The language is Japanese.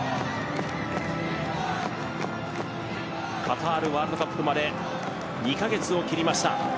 カタールワールドカップまで２か月を切りました。